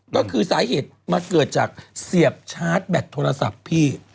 ก็คือสาเหตุมาเกิดจากเสียบชาร์จแบตโทรศัพท์พี่